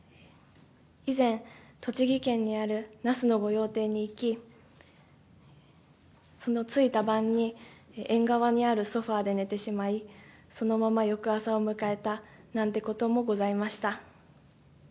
以前、栃木県にある那須の御用邸に行き、その着いた晩に、縁側にあるソファで寝てしまい、そのまま翌朝を迎えた、なんてこともございました。